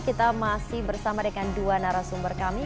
kita masih bersama dengan dua narasumber kami